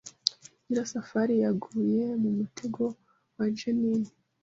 Nyirasafari yaguye mu mutego wa Jeaninne